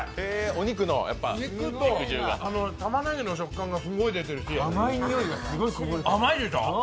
肉とたまねぎの食感がすごく出てるし、甘いにおいがすごいしてる。